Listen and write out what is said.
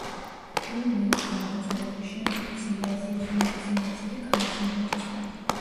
თემურლენგის გარდაცვალების შემდეგ მცირე აზიის უმეტესი ნაწილი ქაოსმა მოიცვა.